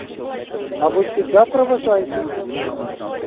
А вы всегда провожаете?